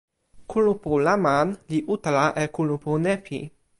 kulupu Laman li utala e kulupu Nepi.